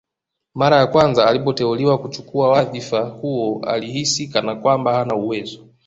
Mara ya kwanza alipoteuliwa kuchukua wadhfa huo alihisi kana kwamba hana uwezo